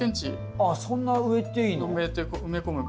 あっそんな植えていいの？